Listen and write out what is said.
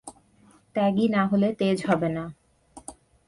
ত্যাগী না হলে তেজ হবে না।